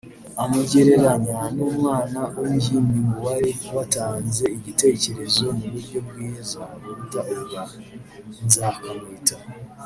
amugereranya n’umwana w’ingimbi ngo wari watanze igitekerezo mu buryo bwiza buruta ubwa Nzakamwita